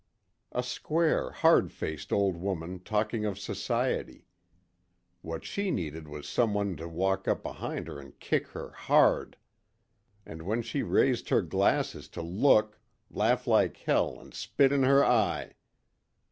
A square, hard faced old woman talking of society. What she needed was someone to walk up behind her and kick her hard. And when she raised her glasses to look, laugh like Hell and spit in her eye.